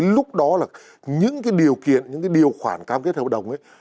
lúc đó là những cái điều kiện những cái điều khoản cam kết hợp đồng ấy